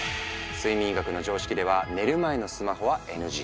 睡眠医学の常識では寝る前のスマホはＮＧ。